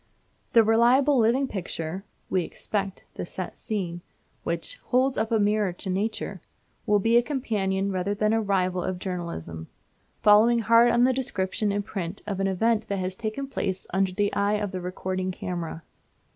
The reliable living picture (we expect the "set scene") which "holds up a mirror to nature," will be a companion rather than a rival of journalism, following hard on the description in print of an event that has taken place under the eye of the recording camera.